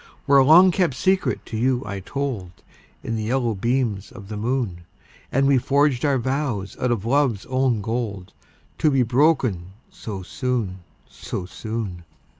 Where a long kept secret to you I told, In the yellow beams of the moon, And we forged our vows out of love's own gold, To be broken so soon, so soon!